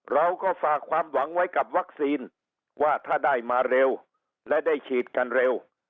เราก็ฝากความหวังไว้กับวัคซีนว่าถ้าได้มาเร็วและได้ฉีดกันเร็ว